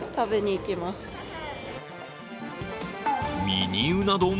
ミニうな丼？